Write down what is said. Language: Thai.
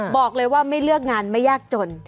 บอกเลยว่าไม่เลือกงานไม่ยากจน